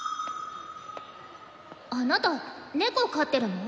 あなた猫飼ってるの？